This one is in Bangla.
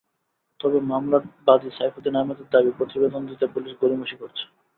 তবে মামলার বাদী সাইফুদ্দিন আহমেদের দাবি, প্রতিবেদন দিতে পুলিশ গড়িমসি করছে।